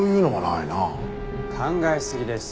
考えすぎです。